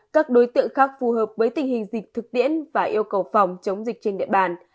các đối tượng khác phù hợp với tình hình dịch thực tiễn và yêu cầu phòng chống dịch trên địa bàn